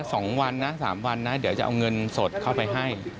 สองวันนะสามวันนะเดี๋ยวจะเอาเงินสดเข้าไปให้